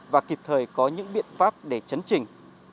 và kịp thời có những biện pháp để chấn trình